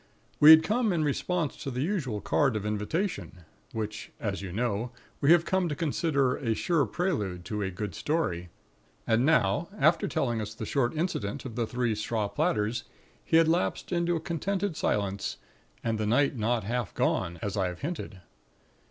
We had come in response to the usual card of invitation, which as you know we have come to consider as a sure prelude to a good story; and now, after telling us the short incident of the Three Straw Platters, he had lapsed into a contented silence, and the night not half gone, as I have hinted.